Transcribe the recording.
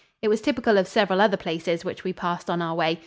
It was typical of several other places which we passed on our way.